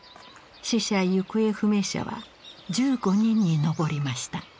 死者・行方不明者は１５人に上りました。